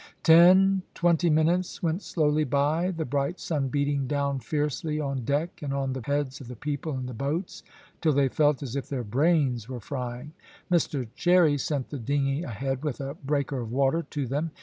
Ten, twenty minutes went slowly by, the bright sun beating down fiercely on deck, and on the heads of the people in the boats, till they felt as if their brains were frying. Mr Cherry sent the dingy ahead with a breaker of water to them.